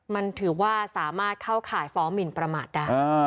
มันถือว่าสามารถเข้าข่ายฟ้องหมินประมาทได้